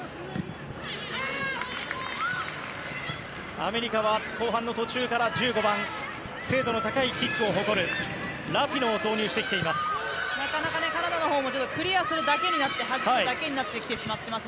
アメリカは後半の途中から１５番、精度の高いキックを誇るラピノを投入してきています。